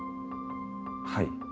はい。